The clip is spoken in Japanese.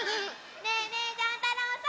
ねえねえジャン太郎さん！